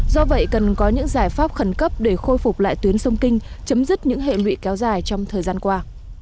do vậy cần có những giải pháp khẩn cấp để khôi phục lại tuyến sông kinh chấm dứt những hệ lụy kéo dài trong thời gian qua